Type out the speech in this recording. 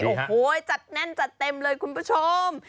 โอ้โหจัดแน่นจัดเต็มเลยคุณผู้ชม